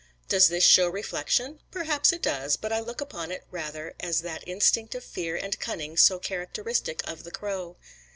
Does this show reflection? Perhaps it does, but I look upon it rather as that instinct of fear and cunning so characteristic of the crow.